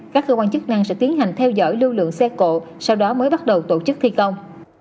các cơ quan chức năng sẽ tiến hành theo dõi lưu lượng xe cộ sau đó mới bắt đầu tổ chức thi công